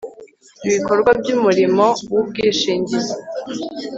ibikorwa by umurimo w ubwishingizi